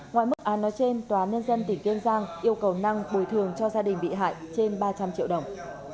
ngoài mức án nói trên tòa nhân dân tỉnh kiên giang yêu cầu năng bồi thường cho gia đình bị hại trên ba trăm linh triệu đồng